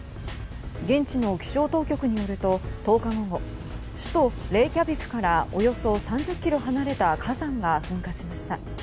現地の気象当局によると１０日午後首都レイキャビク近郊からおよそ３０ｋｍ離れた火山が噴火しました。